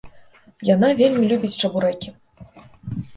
Яна вельмі любіць чабурэкі.